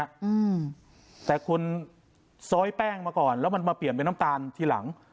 อืมแต่คุณซ้อยแป้งมาก่อนแล้วมันมาเปลี่ยนเป็นน้ำตาลทีหลัง